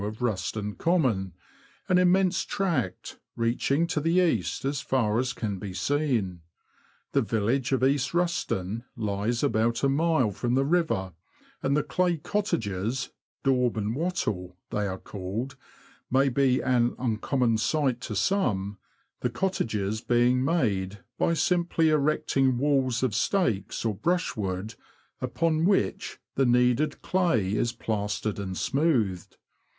179 of Ruston Common, an immense tract, reaching to the east as far as can be seen. The village of East Ruston lies about a mile from the river, and the clay cottages —'^ daub and wattle " they are called — may be an uncommon sight to some, the cottages being made by simply erecting walls of stakes, or brushwood, upon which the kneaded clay is plastered and smoothed.